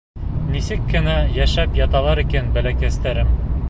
Нисек кенә йәшәп яталар икән бәләкәстәрем.